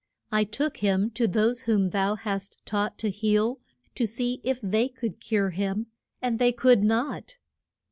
I took him to those whom thou hast taught to heal, to see if they could cure him; and they could not.